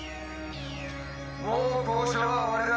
もう交渉は終わりだ。